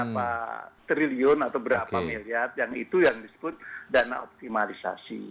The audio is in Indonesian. berapa triliun atau berapa miliar yang itu yang disebut dana optimalisasi